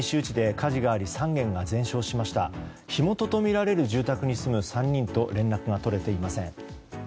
火元とみられる住宅に住む３人と連絡が取れていません。